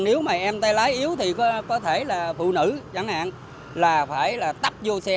nếu mà em tay lái yếu thì có thể là phụ nữ chẳng hạn là phải là tắp vô xe